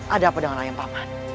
ada apa dengan ayam papan